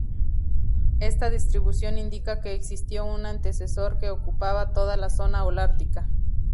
Esta distribución indica que existió un antecesor que ocupaba toda la zona holártica.